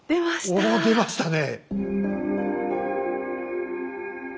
お出ましたね。